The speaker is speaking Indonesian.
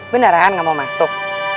beneran gak mau masuk